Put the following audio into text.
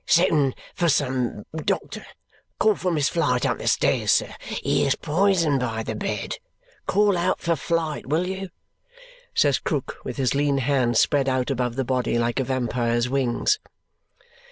"Send for some doctor! Call for Miss Flite up the stairs, sir. Here's poison by the bed! Call out for Flite, will you?" says Krook, with his lean hands spread out above the body like a vampire's wings.